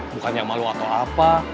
bukan yang malu atau apa